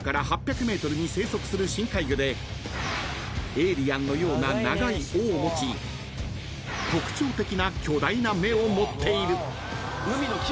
［エイリアンのような長い尾を持ち特徴的な巨大な目を持っている］